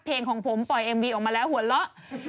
เพลงของผมปล่อยเอ็มวีออกมาแล้วหัวเราะ